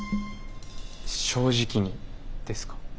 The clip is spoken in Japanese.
正直にですか？